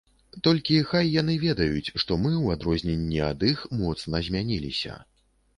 Толькі хай яны ведаюць, што мы, у адрозненні ад іх, моцна змяніліся.